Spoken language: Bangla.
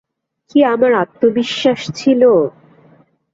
কী আমার আত্মবিশ্বাস ছিল!